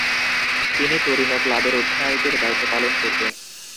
তিনি তরিনো ক্লাবের অধিনায়কের দায়িত্ব পালন করতেন।